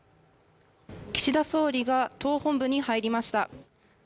岸田総理が党本部に入りました。